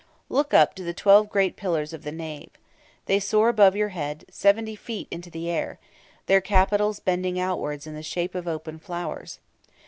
Look up to the twelve great pillars of the nave. They soar above your head, seventy feet into the air, their capitals bending outwards in the shape of open flowers.